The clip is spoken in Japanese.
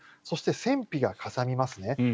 そして、戦費がかさみますね。